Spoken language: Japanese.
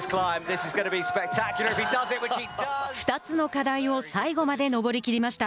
２つの課題を最後まで登り切りました。